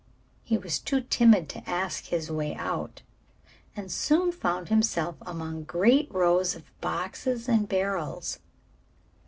He was too timid to ask his way out and soon found himself among great rows of boxes and barrels.